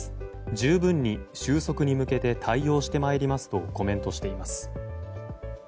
十分に収束に向けて対応してまいりますとコメントしています。